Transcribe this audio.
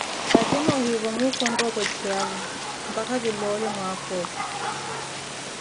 Vaje noohivo muuka ontta opwecheyavo, mpakha ki loole mwaaka opu.